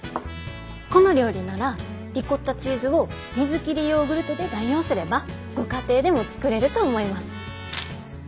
この料理ならリコッタチーズを水切りヨーグルトで代用すればご家庭でも作れると思います。